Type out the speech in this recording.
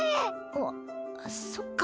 あっそっか。